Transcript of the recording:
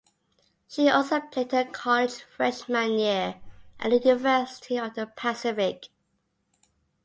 She also played in her college freshman year at the University of the Pacific.